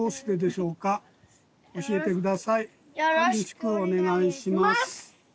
よろしくお願いします。